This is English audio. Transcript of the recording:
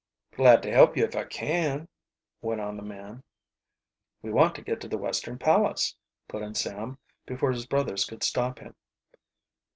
"Glad to help you if I can," went on the man. "We want to get to the Western Palace," put in Sam, before his brothers could stop him.